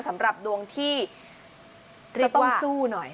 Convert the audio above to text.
สำหรับดวงที่ต้องสู้หน่อย